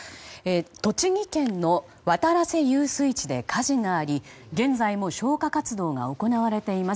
栃木県の渡良瀬遊水地で火事があり、現在も消火活動が行われています。